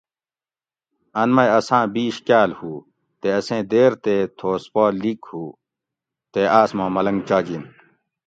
ان مئ اساۤں بِیش کاۤل ہُو تے اسیں دیر تے تھوس پا لِگ ہُو تے آۤس ما ملنگ چاجِن